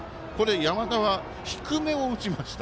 山田は低めを打ちました。